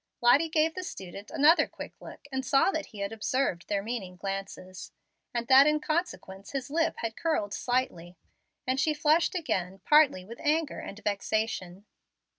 Lottie gave the student another quick look and saw that he had observed their meaning glances, and that in consequence his lip had curled slightly; and she flushed again, partly with anger and vexation.